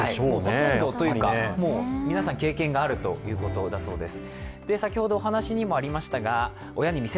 ほとんどというか、皆さん経験があるということだそうです。